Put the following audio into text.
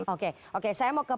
oke oke saya mau ke pak adip